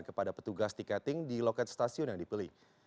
kepada petugas tiketing di loket stasiun yang dibeli